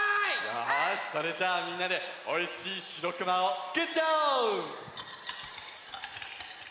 よしそれじゃあみんなでおいしいしろくまをつくっちゃおう！